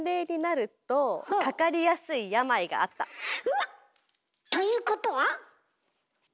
うわっ！ということは？